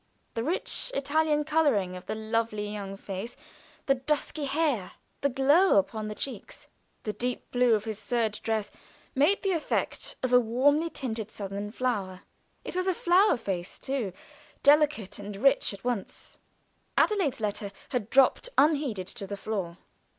The rich Italian coloring of the lovely young face; the dusky hair; the glow upon the cheeks, the deep blue of his serge dress, made the effect of a warmly tinted southern flower; it was a flower face too; delicate and rich at once. Adelaide's letter dropped unheeded to the floor.